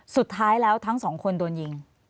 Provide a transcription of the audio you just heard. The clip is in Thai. สุดท้ายแล้วทั้งสองคนโดนยิง